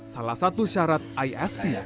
salah satu syarat isp